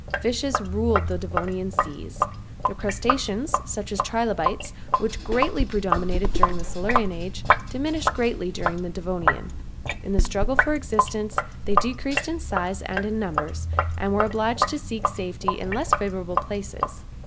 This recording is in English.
Fishes ruled the Devonian seas. The crustaceans, such as trilobites which greatly predominated during the Silurian age, diminished greatly during the Devonian. In the struggle for existence they decreased in size and in numbers, and were obliged to seek safety in less favorable places.